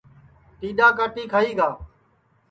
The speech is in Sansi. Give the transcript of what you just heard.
ٹیڈؔا کاٹی کھائی گا